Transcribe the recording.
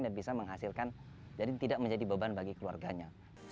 dan bisa menghasilkan jadi tidak menjadi beban bagi keluarganya